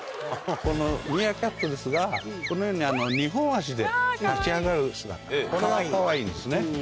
このミーアキャットですがこのように２本足で立ち上がる姿これがかわいいんですね。